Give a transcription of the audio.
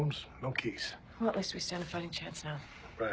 はい。